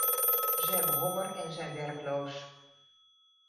Ze hebben honger en zijn werkloos.